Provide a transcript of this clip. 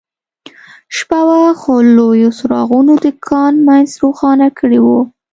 شپه وه خو لویو څراغونو د کان منځ روښانه کړی و